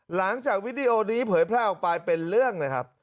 หลังจากวิดีโอนี้เผยแพร่ออกไปเป็นเรื่องเลยครับ